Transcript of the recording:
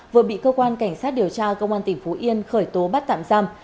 vừa bị cơ quan cảnh sát điều tra công an tp long xuyên khởi tố bắt tạm giam